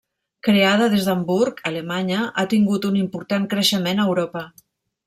Creada des d'Hamburg, Alemanya, ha tingut un important creixement a Europa.